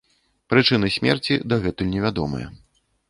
Прычыны смерці дагэтуль невядомыя.